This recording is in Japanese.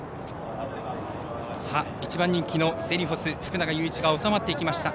１番人気のセリフォス福永祐一が収まっていきました。